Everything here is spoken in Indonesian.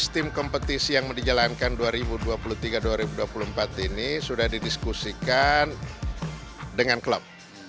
tim kompetisi yang dijalankan dua ribu dua puluh tiga dua ribu dua puluh empat ini sudah didiskusikan dengan klub